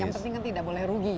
yang penting kan tidak boleh rugi